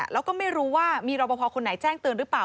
แล้วก็ไม่รู้ว่ามีรอปภคนไหนแจ้งเตือนหรือเปล่า